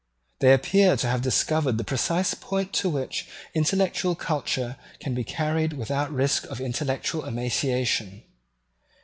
They appear to have discovered the precise point to which intellectual culture can be carried without risk of intellectual emancipation.